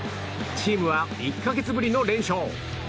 チームは１か月ぶりの連勝。